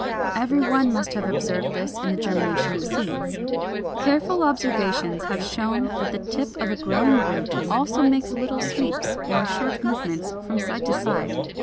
Every one must have observed this in the germination of seeds. Careful observations have shown that the tip of a growing root also makes little sweeps or short movements from side to side.